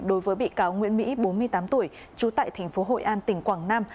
đối với bị cáo nguyễn mỹ bốn mươi tám tuổi chú tại thành phố hội an tỉnh quảng nam